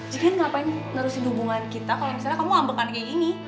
jadi kan ngapain nerusin hubungan kita kalau misalnya kamu ambekan kayak gini